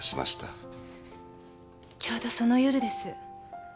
ちょうどその夜です。